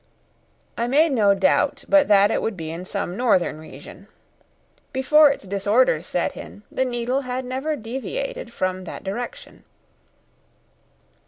I made no doubt but that it would be in some northern region. Before its disorders set in, the needle had never deviated from that direction.